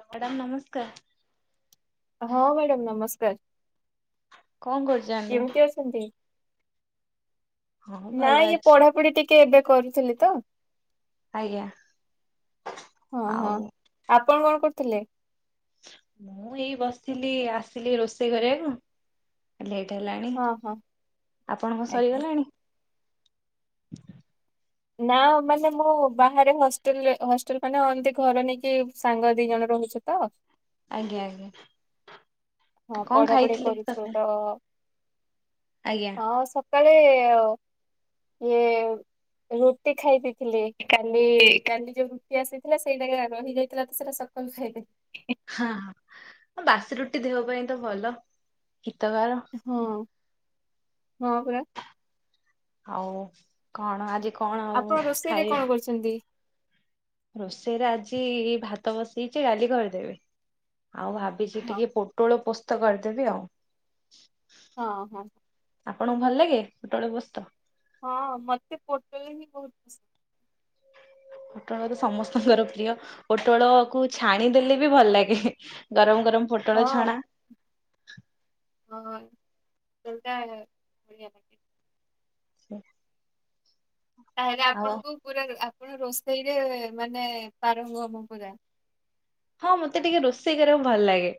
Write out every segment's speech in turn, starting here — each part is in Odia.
ହ ମ୍ୟାଡ଼ାମ ନମସ୍କାର। ହଁ ମ୍ୟାଡ଼ାମ ନମସ୍କାର। କଣ କରୁଛନ୍ତି? କେମିତି ଅଛନ୍ତି? ହଁ ନା ଭଲ ଇଏ ଅଛି ପଢାପଢି ଟିକେ ଏବେ କରୁଥିଲି ତ। ଆଜ୍ଞା। ହଁ ହଁ ଆଉ ଆପଣ କଣ କରୁଥିଲେ? ମୁଁ ଏଇ ବସିଥିଲି ଆସିଲି ରୋଷେଇ କରିବାକୁ ହେଲେ ଏ ହେଲାଣି ହଁ ହଁ ।ଆପଣଙ୍କ ଆଜ୍ଞା। ସରିଗଲାଣି? ନା ମାନେ ମୁଁ ବାହାରେ ହଷ୍ଟେଲରେ ହଷ୍ଟେଲ ମାନେ ଏମତି ଘର ନେଇକି ସାଙ୍ଗ ଦି ଜଣ ରହୁଛୁ ତ। ଆଜ୍ଞା ହଁ ଆଜ୍ଞା କଣ ପଢାପଢି ଖାଇଥିଲେ କରୁଛୁ ସକାଳେ? ତ ଆଜ୍ଞା ହଁ ସକାଳେ ଇଏ ରୁଟି ଖାଇ ଦେଇଥିଲି କାଲି କାଲି ଯୋଉ ରୁଟି ଆସିଥିଲା ସେଇଟା ରହିଯାଇଥିଲା ତ ସେଇଟା ସକା କହିଲି ଖାଇଦେବି। ହଁ ହଁ ବାସି ରୁଟି ଦେହ ପାଇଁ ତ ଭଲ। ହିତକାର ହଁ ହଁ ପା ଆଉ କଣ ଆଜି କଣ ଆପଣ ଆଉ ରୋଷେଇରେ କଣ ଖାଇବେ। କରୁଛନ୍ତି? ରୋଷେଇରେ ଆଜି ଭାତ ବସେଇଛି ଡାଲି କରିଦେବି। ଆଉ ଭାବିଛି ହଁ ଟିକେ ପୋଟୋଳ ପୋସ୍ତ କରିଦେବି ଆଉ। ହଁ ହଁ। ଆପଣଙ୍କୁ ଭଲ ଲାଗେ ପୋଟଳୁ ପୋସ୍ତା। ହଁ ମତେ ପୋଟଲ ହିଁ ବହୁତ ପସନ୍ଦ। ପୋଟଳ ତ ସମସ୍ତଙ୍କର ପ୍ରିୟ ପୋଟଳ କୁ ଛାଣିଦେଲେ ବି ଭଲ ଲାଗେ ଗରମ। ଗରମ ପୋଟଳ ଛଣା। ହଁଟା ବଢିଆ ଲାଗେ। ହ। ତାହେଲେ ଆପଣଙ୍କୁ ପୁରା ଆପଣ ରୋଷେଇରେ ମାନେ ପାର ହୁ ଆମ ପା। ହଁ ମତେ ଟିକେ ରୋଷେଇ କରିବାକୁ ଭଲ ଲାଗେ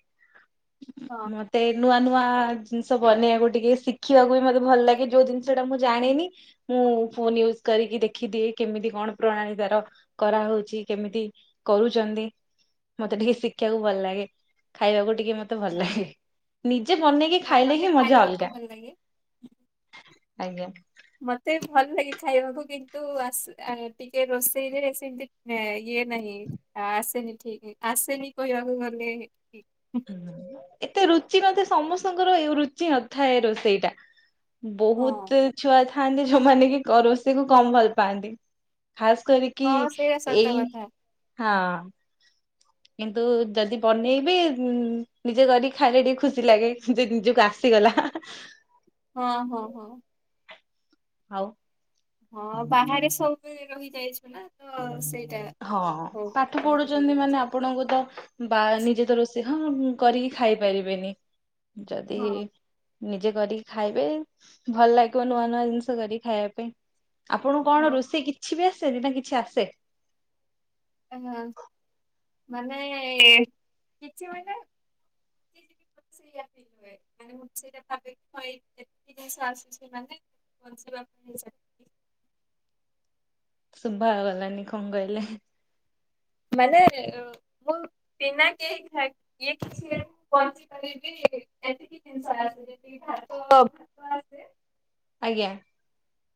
ହଁ ମତେ ନୂଆ ନ। ନୂଆ ଜିନିଷ ବନେଇବାକୁ ଟିକେ ଶିଖିବାକୁ ବି ମତେ ଭଲ ଲାଗେ ଯୋଉ ଜିନିଷ ଟା ମୁଁ ଜାଣିନି ମୁଁ ଫୋନ ୟୁଜ କରିକି ଦେଖିଦିଏ କେମିତି କଣ ପ୍ରଣାଳୀ ତାର କରାହଉଛି କେମିତି କରୁଛ ନ୍ତି ମତେ ଟିକେ ଶିଖିବାକୁ ଭଲ ଲାଗେ ଖାଇବାକୁ ଟିକେ ମତେ ଭଲ ହଁ ଲାଗେ ନିଜେ ବନେଇକି ହଁ ଖାଇଲେ ମତେ ହିଁ ମଜା ଖାଇବାକୁ ଅଲଗା। ଭଲ ଲାଗେ। ଆଜ୍ଞା। ମତେ ଭଲ ଲାଗେ ଖାଇବାକୁ କିନ୍ତୁ ଆଶ୍ ଟିକେ ରୋଷେଇରେ ସେମତି ଏ ଇଏ ନାହିଁ ଆସେନି ଠିକ ଆସେନି କହିବାକୁ ଗଲେ ହୁଁ ଏତେ ରୁଚି ନଥାଏ ସମସ୍ତଙ୍କର ଏ ରୁଚି ନଥାଏ ରୋଷେଇଟା। ହଁ ବହୁତ ଛୁଆ ଥାଆନ୍ତି ଯୋଉମାନେ କି ରୋଷେଇ କୁ କମ ଭଲ ପାଆନ୍ତି। ଖାସ୍ କରିକି ହଁ ସେଇଟା ସତ ଏଇ କଥା ହଁ। କିନ୍ତୁ ଯଦି ବନେଇବି ନିଜେ କରି ଖାଇଲେ ଟିକେ ଖୁସି ଲାଗେ ଯେ ନିଜକୁ ଆସେ ଗଲା ହଁ ହଁ ହଁ। ହଉ। ହଁ ବାହାରେ ସବୁ ରହିଯାଇଛୁ ନା ତ ସେ ହଁ ପାଠ ପଢୁଛନ୍ତି ମାନେ ଆପଣଙ୍କୁ ତ ବା ନିଜେ ତ ରୋଷେଇ ହଁ କରିକି ଖାଇପାରିବେନି ଯଦି ହଁ ନିଜେ କରିକି ଖାଇବେ ଭଲ ଲାଗିବ ନୂଆ ନୂଆ ଜିନିଷ କରିକି ଖାଇବା ପାଇଁ ଆପଣଙ୍କୁ ହଁ କଣ ରୋଷେଇ କିଛି ବି ଆସେନି ନା କିଛି ଆସେ ହ ମାନେ କିଛି ମାନେ ମୁଁ ସେଇଟ ଭାକ ଜିନିଷ ଆସୁଛି ମାନ [unintelligible] କଣସି ବା [unintelligible] ଶୁଭ ଗଲାନି କଣ କହିଲେ? ମାନେ ମୁଁ ବିନା କେହି ଇଏ କିଛି ମୁ ବଞ୍ଚି ପାରିବି ଯେତିକି ଜିନିସ ଆସେ ଯେମିତିକି ଭାତ ଅ ଭାତ ଆସେ ଆଜ୍ଞା।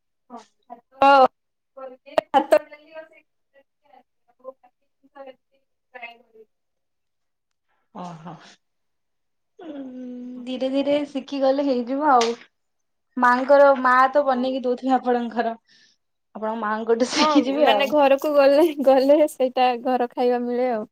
ଭାତ [unintelligible] ଖାଇ [unintelligible] ଓହୋ ଧୀରେ ଧୀରେ ସି ଶିକିଗଲେ ହେଇଯିବ ଆଉ ମାଆଙ୍କର ମା ତ ହଁ ବନେଇକି ଦଉଥିବେ ଆପଣଙ୍କ ଘର ହଁ ମାନେ ଘରକୁ ଗଲେ ଗଲେ ସେଇଟା ଘର ଖାଇବା ମିଳେ ଆଉ।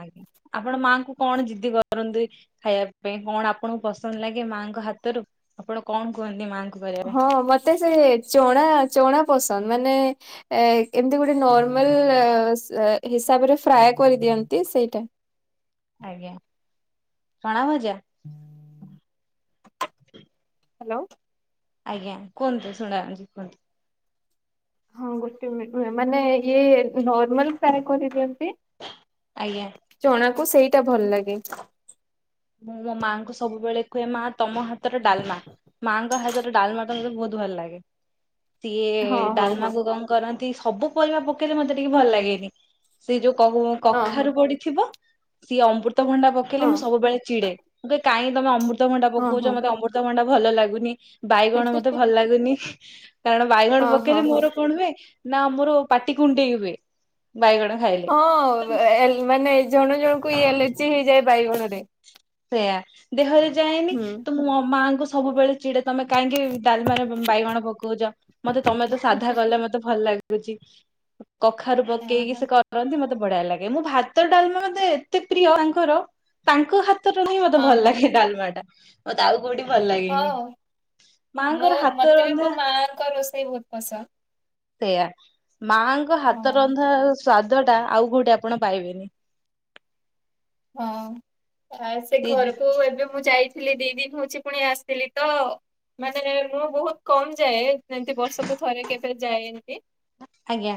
ଆଜ୍ଞା ଆପଣ ମାଙ୍କୁ କଣ ଜିଦି କରନ୍ତି ଖାଇବା ପାଇଁ କଣ ଆପଣଙ୍କୁ ପସନ୍ଦ ଲାଗେ ମାଙ୍କ ହାତରୁ ଆପଣ କଣ? କୁହନ୍ତି ମା କୁ ହଁ ମତେ ସେ ଚଣା ଚଣା ପସନ୍ଦ ମାନେ ଏମତି ଗୋଟେ ନମାଲ ହିସାବରେ ଫ୍ରାଏ କରିି କେମତି ସେଇଟା ଆଜ୍ଞା ଚଣା ଭଜା ହୁଁ! [unintelligible] ହ୍ୟାଲୋ! । ଆଜ୍ଞା କୁହନ୍ତୁ ଶୁଣାଯାଉିଛି କୁହନ୍ତୁ। ହଁ ଗୋଟେ ମିନୀଟି୍ ମାନେ ଏଇ ନର୍ମାଲ ଫ୍ରାଏ କରିଦିଅନ୍ତି। ଆଜ୍ଞା। ତାକୁ ସେଇଟା ଭଲ ଲାଗେ। ମୁଁ ମୋ ମାଙ୍କୁ ସବୁବେଳେ କୁହେ ମା ତମ ହାତର ଡାଲମା ମାଙ୍କ ହାତର ଡାଲମା ଟା ମତେ ବହୁତ ଭଲ ଲାଗେ ସିଏ ହଁ ହଁ ହଁ ଡାଲମାକୁ କଣ କରନ୍ତି ସବୁ ପରିବା ପକେଇଲେ ମତେ ଟିକେ ଭଲ ଲାଗେନି ସେ ଯୋଉ କହୁ ହଁ ହଁ କଖାରୁ ପଡିଥିବ ସିଏ ଅମୃତଭଣ୍ଡା ପକେଇଲେ ହଁ ମୁଁ ସବୁବେଳେ ଚିଡେ ମୁଁ କହେ କାହିଁ ତମେ ଅମୃତ ଅମୃତଭଣ୍ଡା ହଁ ପକଉଛ ହଁ। ମତେ ଅମୃତଭଣ୍ଡା ଭଲ ଲାଗୁନି ବାଇଗଣ ମତେ ଭଲ ଲାଗୁନି କାରଣ ବାଇଗଣ ହଁ ହଁ ପକେଇଲେ ହଁ ମୋର କଣ ହୁଏ ନା ମୋର ପାଟି କୁଣ୍ଡେଇ ହୁଏ। ବାଇଗଣ ଖାଇଲେ। ତ ହଁ ମାନେ ଜଣ ଜଣଙ୍କୁ ଇ ଏଲର୍ଜି ହେଇଯାଏ ବାଇଗଣ ରେ। ସେଇୟା ଦେହରେ ଯାଏନି ତୁ ମୋ ମାଙ୍କୁ ସବୁବେଳେ ଚିଡ଼େ ତମେ କାହିଁକି ଡାଲି ମାନେ ବାଇଗଣ ପକାଉଛ ମତେ ତମେ ତ ସାଧା କଲେ ମତେ ଭଲ ଲାଗୁଛି କଖାରୁ ହଁ ପକେଇକି ହଁ ସେ କରନ୍ତି ମତେ ବଢିଆ ଲାଗେ ମୁଁ ଭାତ ଡାଲମା ମତେ ଏତେ ପ୍ରିୟ ତାଙ୍କର ତାଙ୍କ ହାତ ହାତର ହିଁ ମତେ ହଁ ଭଲ ହଁ। ଲାଗେ ଡାଲମା ଟା ମତେ ଆଉ କୋଉଠି ଭଲ ଲାଗେନି ହଉ। ମୋ ମାଙ୍କର ହାତ ମତେ ବି ମୋ ରନ୍ଧା [inaudible] ପସନ୍ଦ ସେଇୟା ମାଙ୍କ ହାତ ହଁ ରନ୍ଧା ସ୍ଵାଦ ଟା ଆଉ କୋଉଟି ଆପଣ ପାଇବେନି। ହଁ ଆ ସେ ଘରକୁ ଏବେ ମୁଁ ଯାଇ ଥିଲି ଦି ଦିନ ହଉଛି ପୁଣି ଆସିଥିଲି ତ ମାନେ ମୁଁ ବହୁତ କମ ଯାଏ ଏମତି ବର୍ଷକୁ ଥରେ କେବେ ଯାଏ ଏମତି ଆଜ୍ଞା!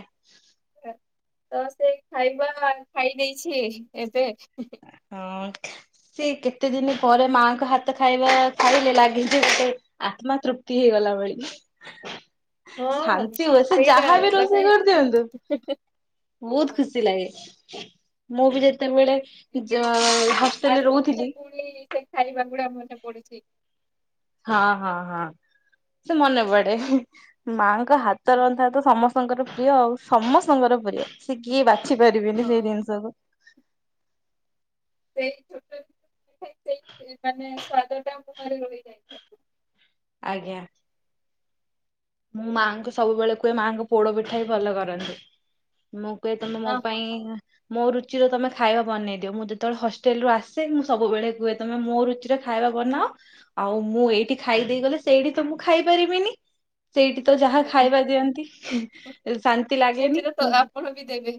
ତ ସେ ଖାଇବା ଖାଇ ଦେଇେଇଛି ଏବେ ହଁ! [unintelligible] ସେ କେତେ ଦିନ ପରେ ମାଙ୍କ ହାତ ଖାଇବା ଖାଇଲେ ଲାଗିଛି ଗୋଟେ ଆତ୍ମା ତୃପ୍ତି ହେଇଗଲା। [unintelligible] ହଁ ଶାନ୍ତି ହୁଏ ସେ ସେଇଟା ମାନେ ଯାହାବିରୋଷେଇ କରିଦିଅନ୍ତୁ। ବହୁତ ହଁ, ଖୁସି ଲାଗେ ମୁଁ ବି ଯେତେବେଳେ ଏବେ ଏଠିକି ହସ୍ପିଟାଲରେ ଆସିଥିଲି ଯେ ରହୁଥିଲି। ପୁଣି ସେ ଖାଇବା [inaudible] ହଁ ହଁ ହଁ ସେ ମନେ ପଡେ ମା ଙ୍କ ହାତ ହଁ ରନ୍ଧା ତ ସମସ୍ତଙ୍କର ପ୍ରିୟ ଆଉ ସମସ୍ତଙ୍କର ପ୍ରିୟ ସେଏ କିଏ ବି ବୁଝି ପାରିବିନି ସେଇ ହଁ ଜିନିଷକୁୁ ସେଇ ଛୋଟ ସେ ମାନେ ସ୍ଵାଦଟା ମୁହଁରେ ରହିଯାଇଥାଏ। ଆଜ୍ଞା! ମୁଁ ମାଆଙ୍କୁ ସବୁବେଳେ କୁହେ ମାଆଙ୍କ ପୋଡ ପିଠା ହିଁ ଭଲ କରନ୍ତି ମୁଁ କୁହେତ ମୋ ହଁ ହଁ ପାଇଁ ମୋ ରୁଚି ର ତମେ ଖାଇବା ବନେଇ ଦିଅ ମୁଁ ଯେତେବେଳେ ହଷ୍ଟେଲ ରୁ ଆସେ ମୁଁ ସବୁବେଳେ କୁେ ତମେ ମୋ ରୁଚିରେ ଖାଇବା ବନାଅ ଆଉ ମୁଁ ଏଇଠି ଖାଇ ଦେଇେଇ ଗଲେ ସେଇଠି ତ ମୁଁ ଖାଇ ପାରିବିନି। ସେଇଠି ତ ଯାହା ଆଜ୍ଞା। ଖାଇବା ଦିଅନ୍ତି ଶାନ୍ତି ଲାଗେନି ଏଥିରେ ତ ମୁଁ ଆପଣ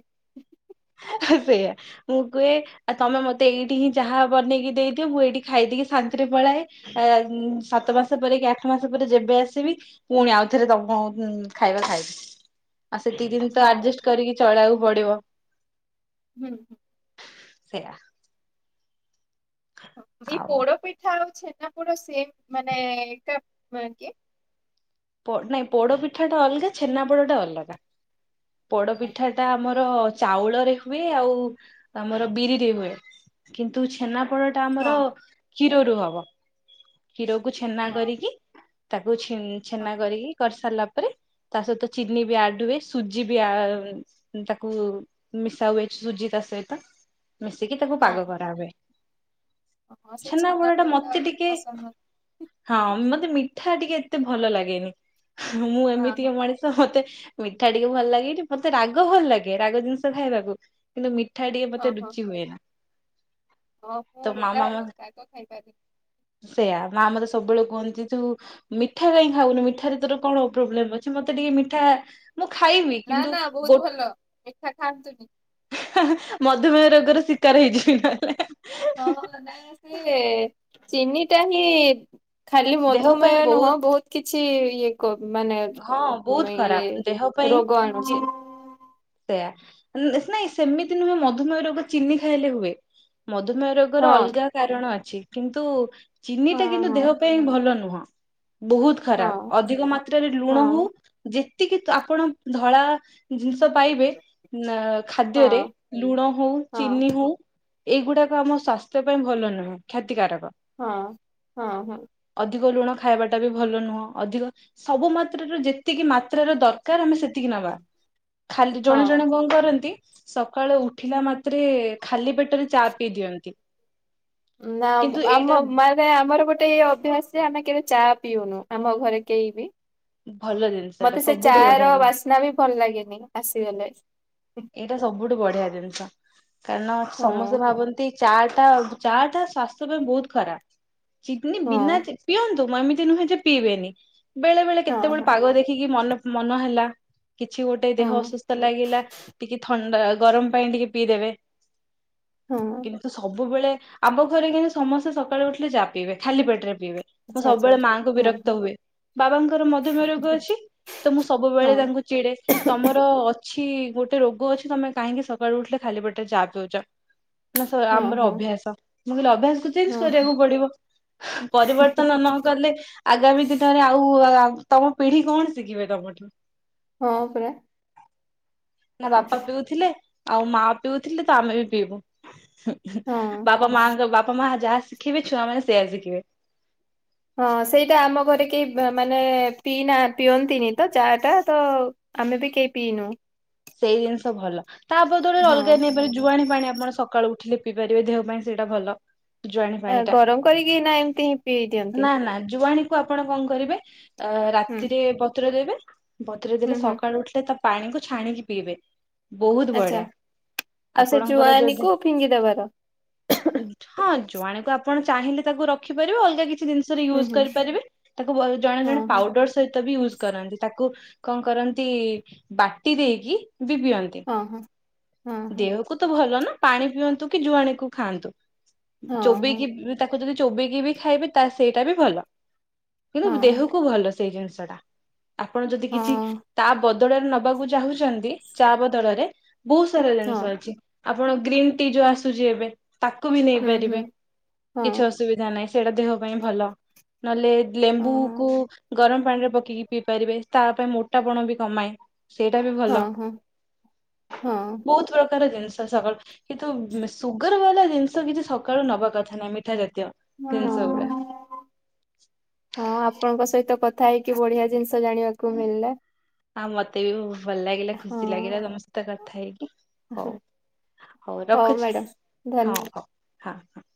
[unintelligible] ସେଇୟା ମୁଁ କୁହେ ଆଉ ତମେ ମତେ ଏଇଠି ହିଁ ଯାହା ବନେଇକି ଦେଇଦିଅ ମୁଁ ଏଇଠି ଖାଇଦେଇକି ଶାନ୍ତି ପଳାଏ ସାତ ମାସ ପରେ କି ଆଠ ମାସ ପରେ ଯେବେ ଆସିବି ପୁଣି ଆଉ ଥରେ ତମକୁ ଖାଇବା ଖାଇବି ଆଉ ସେତିକି ଦିନ ତ ହଁ ଆଡଜଷ୍ଟ କରିକି ଚଳଉ ପଢିବ। ହୁଁ ହୁଁ। [unintelligible] ସେଇଆା। ଏ ପୋଡ ପିଠା ଆଉଛେ। ନା ପୁରା ସେମ ମାନୋ କି। ନାଇଁ ପୋଡ ପିଠା ଟା ଅଲଗା ଛେନା ପୋଡ ଟା ଅଲଗା ପୋଡ ହଁ ପିଠା ଟା ଆମର ଆମ ଚାଉଳ ରେ ହୁଏ ଆଉ ଆମର ବିରିରେ ହୁଏ କିନ୍ତୁ ଛେନା ଆପଣ ଟା ହଁ ଆମର କ୍ଷୀରରୁୁ ହବ କ୍ଷୀରକୁୁ ଛେନା ହଁ କରିକି ତାକୁ ହଁ ଛେନା କରିକି କରିସାରିଲା ପରେ ତା ସହିତ ଚିନି ବି ଆଡ ହୁଏ ସୁଜି ବି ତାକୁ ମିଶା ହୁଏ ସୁଜି ତା ସହିତ ମିଶିକି ତାକୁ ପାଗ ହଁ କରା ହୁଏ। ହଁ ହଁ ସେଇ ଛେନାଗୁଡ଼ ଟା ଛେନାପୋଡଟା ମତେ ବହୁତ ଟିକେ ପସନ୍ଦ ମତେ ହଁ ମତେ ମିଠା ଟିକେ ଏତେ ଭଲ ଲାଗେନି ମୁଁ ହଁ ହଁ ଏମିତିକା ମଣିଷ ମତେ ମିଠା ଟିକେ ଭଲ ଲାଗେନି ମତେ ରାଗ ଭଲ ଲାଗେ ରାଗ ଜିନିଷ ଖାଇବାକୁ କିନ୍ତୁ ମି ଠା ଟିକେ ହଁ ମତେ ହଁ ରୁଚି ହୁଏନା। ହଁ ମୁଁ ତ ଓଲଟା ମାମ ମ ଆଉ ରାଗ ଖାଇପାରେନି ସେଇୟା ମାମ ତ ସବୁବେଳେ କୁହନ୍ତି ତୁ ମି ମିଠା କାଇଁ ଖାଉନୁ ମିଠାରେ ତୋର କଣ ପ୍ରୋବ୍ଲେମ ଅଛି ମତେ ଟିକେ ମିଠା ମୁଁ ଖାଇବି ନା କିନ୍ତୁ ନା ବହୁତ ଗୋଟା ଭଲ ମିଠା ଖାଆନ୍ତୁନି। ମଧୁମେହ ରୋଗର ଶିକାର ହେଇଯିବି ନା। ହଁ ନା ସେ ଚିନି ଟା ହିଁ ଖାଲି ଦେହ ପାଇଁ ମଧୁମେହ ନୁହଁ ବହୁତ କିଛି ଇଏ କ ମାନେ ହଁ ବହୁତ ମେ ଇଏ ଖରାପ ରୋଗ ଆଣୁଛି। ସେଇୟା ନାଇଁ ସେମିତି ନୁହେଁ ମଧୁମେହ ରୋଗ ଚିନି ଖାଇଲେ ହୁଏ। ମଧୁମେହ ହଁ ରୋଗର ଅଲଗା କାରଣ ଅଛି କିନ୍ତୁ ଚିନିଟା ହଁ କିନ୍ତୁ ହଁ ଦେହ ପାଇଁ ଭଲ ନୁହଁ। ବହୁତ ହଁ ଖରାପ ଅଧିକ ମାତ୍ରାରେ ଲୁଣ ହଉ ହଁ ଯେ ଏତିକି ତ ଆପଣ ଧଳା ପାଇବେ ନା ଖାଦ୍ୟରେ ହଁ ଲୁଣ ହଉ ହଁ ଚିନି ହଉ ଏଇଗୁଡାକ ଆମ ସ୍ୱାସ୍ଥ୍ୟ ପାଇଁ ଭଲ ନୁହେଁ ଖା ତିକାରକ ହଁ ହଁ ହଁ ଅଧିକ ଲୁଣ ଖାଇବାଟା ବି ଭଲ ନୁହଁ ଅଧିକ ସବୁ ମାତ୍ରାର ଯେତିକି ମାତ୍ରାର ଦରକାର ଆମେ ସେତିକି ନବା। ଖାଲି ଜଣେ ହଁ। ଜଣେ କଣ କରନ୍ତି। ସକାଳେ ଉଠିଲା ମାତ୍ରେ ଖାଲି ପେଟରେ ଚା ପିଇ ଦିଅନ୍ତି। ନା କିନ୍ତୁ ଏଇଟା ଆମ ମାନେ ଆମର ଗୋଟେ ଏଇ ଅଭ୍ୟାସ ଯେ ଆମେ କେବେ ଚା ପିଉନୁ ଆମ ଘରେ କେହି ବି। ଭଲ ଜିନିଷ ଏଟା ମତେ ସେ ସବୁଠୁ ଚା' ବଢିଆ ର ଜିନିଷ ବାସ୍ନା ବି ଭଲ ଲାଗେନି ଆସିଗଲେ। ଏଇଟା ସବୁଠୁ ବଢିଆ ଜିନିଷ କାରଣ ସମସ୍ତେ ହଁ ଭାବନ୍ତି ଚା ଟା ଚା ଟା ସ୍ଵାସ୍ଥ୍ୟ ପାଇଁ ବହୁତ ଖରାପ ଚିନି ବିନା ହଁ। ଚି ପିଅନ୍ ତୁ ଏମିତି ନୁହେଁ ଯେ ପିଇବେନି ବେଳେ ବେଳେ ହଁ କେତେବେଳେ ହଁ ପାଗ ଦେଖିକି ମନେ ମନ ହେଲା। କିଛି ଗୋଟେ ଦେହ ହଁ ଅସୁସ୍ଥ ଲାଗିଲା ଟିକେ ଥଣ୍ଡା ଗରମ ପାଇଁ ଟିକେ ପିଇଦେବେ। ହଁ କିନ୍ତୁ ସବୁବେଳେ ଆମ ଘରେ କିନ୍ତୁ ସମସ୍ତେ ସକାଳୁ ଉଠିଲେ ଚା ପିଇବେ ଖାଲି ପେଟରେ। ପାଇବେ ମୁଁ ଆଚ୍ଛା ଆଚ୍ଛା ସବୁବେଳେ ଆଚ୍ଛା ମାଆଙ୍କୁ ହଁ ବିରକ୍ତ ହଁ ହୁଏ ବାବାଙ୍କର ମଧୁମେହ ରୋଗ ଅଛି। ତ ମୁଁ ସବୁବେଳେ ହଁ। ତାଙ୍କୁ ଚିଡେ ତମର ଅଛି। ଗୋଟେ ରୋଗ ଅଛି ତମେ କାହିଁକି ସକାଳୁ ଉଠିଲେ ଖାଲି ପେଟରେ ଚାହା ପିଉଛ। ନା ସ ହଁ ଆମର ହଁ ଅଭ୍ୟାସ ମୁଁ କହିଲି ଅଭ୍ୟାସ ତ ଚେଞ୍ଜ ହଁ କରିବାକୁ ପଡିବ। ପରିବର୍ତ୍ତନ ନ କଲେ ଆଗାମୀ ଦିନରେ ଆଉ ତମ ପିଢି କଣ ଶିଖିବେ ତମଠୁ। ହଁ ପରା। ନା ବାପା ପିଉଥିଲେ ଆଉ ମା ପିଉଥିଲେ ତ ଆମେ ବି ପିଇବୁ ହଁ। ବାପା ମାଆଙ୍କ ବାପା ମା ଯାହା ଶିଖିବେ ଛୁଆମାନେ ସେଇଆ ଶିଖିବେ। ହଁ ସେଇଟା ଆମ ଘରେ କେହି ମାନେ ପିଇ ନାହାନ୍ତି ପିଅନ୍ତିନି ତ ଚା ଟା ତ ଆମେ ବି କେହି ପିଇନୁ ସେଇ ଜିନିଷ ଭଲ ତା ବଦଳରେ ହଁ। ଅଲଗା ନେଇପାରେ ଜୁଆଣି ପାଣି ଆପଣ ସକାଳୁ ଲିପିପାରିବେ ଦେହପାଇଁ ସେଇଟା ଭଲ। ଜୁଆଣି ଆ ପାଣି ଟା ଗରମ କରିକି ନା ଏମିତି ହିଁ ପିଇ ଦିଅନ୍ତି। ନା ନା ଜୁଆଣି କୁ ଆପଣ କଣ କରିବେ ହୁଁ ରାତିରେ ପତ୍ର ଦେବେ ପତ୍ର ହୁଁ ଦେଲେ ହୁଁ ସକାଳୁ ଉଠିଲେ ତା ପାଣିକୁ ଛାଣିକି ପିଇବେ ବହୁତ ଆଚ୍ଛା ବଢିଆ। ଆଉ ସେ ଆପଣଙ୍କର ଜୁଆନି ଯଦି କୁ ଫିଙ୍ଗି ଦବାର। ହଁ। ଜୁଆଣିକୁ ଆପଣ ଚାହିଁଲେ ତାକୁ ରଖିପାରିବ ଅଲଗା କି ଛି ଜିନିଷରେ ହୁଁ ୟୁଜ୍ ହୁଁ କରିପାରିବେ ତାକୁ ବଲ୍ ଜଣେ ହଁ ଜଣେ ହଁ ପାଉଡର ସହିତ ୟୁଜ୍ କରନ୍ତି ତାକୁ କଣ କରନ୍ତି ବାଟି ଦେଇକି ବି ପିଅନ୍ତି। ହଁ ହଁ ଦେହକୁ ତ ଭଲ ନା ପାଣି ପିଅନ୍ତୁ କି ଜୁଆଣି କୁ ଖାଆନ୍ତୁ। ହଁ ହଁ ଚୋବେଇକି ତାକୁ ଯଦି ଚୋବେଇକି ବି ଖାଇବେ ତା ସେଇଟା ବି ଭଲ। ହଁ ହଁ କିନ୍ତୁ ଦେହକୁ ଭଲ ସେଇ ଜିନିଷ ଟା ଆପଣ ଯଦି ହଁ କିଛି ହଁ ତା ବ ବଦଳରେ ନବାକୁ ଚାହୁଁଛନ୍ତି ଚା ବଦଳରେ ବହୁତ ସାରା ହଁ ଜିନିଷ ଅଛି ଆ। ଆପଣ ଗ୍ରୀନ୍ ଟି ଯୋଉ ଆସୁଛି ଏବେ ତାକୁ ବି ହୁଁ ହୁଁ ନେଇପାରିବେ ହଁ କିଛି ଅସୁବିଧା ନାହିଁ। ସେଟା ଦେହ ପାଇଁ ଭଲ ନହେଲେ ହଁ ଲେମ୍ବୁକୁ ଗରମ ପାଣି ରେ ପକେଇକି ପିଇ ପାରିବେ ତା ପାଇଁ ମୋଟା ପଣ ବି କମାଇ ହଁ ହଁ ହଁ। ବହୁତ ପ୍ର ତାର ଜିନିଷ ସକାଳୁ କିନ୍ତୁ ସୁଗାର ବାଲା ଜିନିଷ କିଛି ସକାଳୁ ନବା କଥା ନାହିଁ ମିଠା ଜାତି ହଁ ହଁ ହଁ ଆପଣଙ୍କ ସହିତ କ ଥାଇକି ବଢିଆ ଜିନିଷ ଜାଣିବାକୁ ମିଳିଲା। ଆଁ ମତେ ବି ବହୁତ୍ ଭଲ ଲାଗିଲା ହଁ ଖୁସି ଲାଗିଲା ତମ ସହିତ କଥା ହେଇକି ହଉ। ହଉ ରଖୁଛି ମ୍ୟାଡାମ ଧନ୍ୟବାଦ। ହଁ ହଉ।